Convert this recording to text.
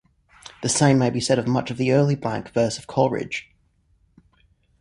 The same may be said of much of the early blank verse of Coleridge.